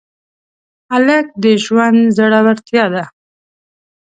هلک د ژوند زړورتیا ده.